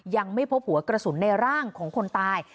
ยังไม่พบหัวกระสุนในร่างของคนตาย